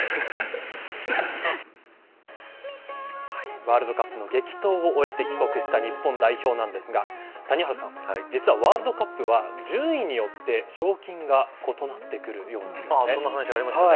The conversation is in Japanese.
ワールドカップの激闘を終えて帰国した日本代表ですが谷原さん、実はワールドカップは順位によってそんな話がありましたね。